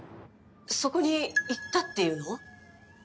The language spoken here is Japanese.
そこに行ったっていうの？